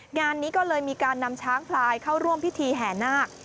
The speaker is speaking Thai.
งานนี้ก็เลยมีการนำช้างพลายเข้าร่วมพิธีแห่นาค